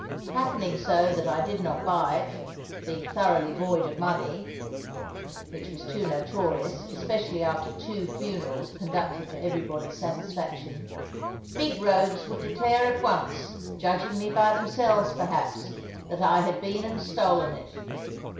Happening so that I did not buy it, being thoroughly void of money (which was too notorious, especially after two funerals conducted to everybody's satisfaction), big rogues would declare at once, judging me by themselves, perhaps, that I had been and stolen it.